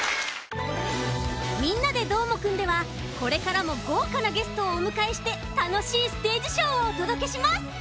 「みんなＤＥどーもくん！」ではこれからもごうかなゲストをおむかえしてたのしいステージショーをおとどけします！